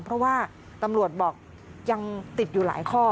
เพราะว่าตำรวจบอกยังติดอยู่หลายข้อ